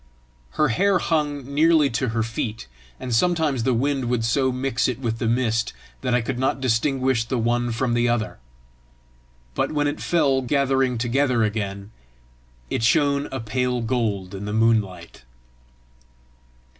Her hair hung nearly to her feet, and sometimes the wind would so mix it with the mist that I could not distinguish the one from the other; but when it fell gathering together again, it shone a pale gold in the moonlight.